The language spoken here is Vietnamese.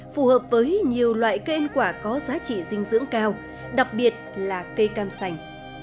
phù hợp với nhiều loại cây ăn quả có giá trị dinh dưỡng cao đặc biệt là cây cam sành